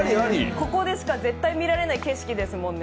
ここでしか絶対見られない景色ですもんね。